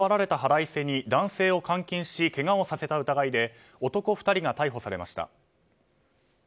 キャバクラ店の紹介を断られた腹いせに男性を監禁しけがをさせた疑いで男２人が逮捕されました。